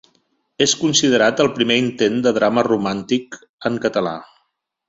És considerat el primer intent de drama romàntic en català.